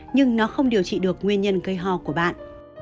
nhưng nó không điều trị được nguyên nhân gây ho của bạn